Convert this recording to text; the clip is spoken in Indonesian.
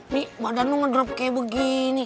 nih badan lu ngedrop kayak begini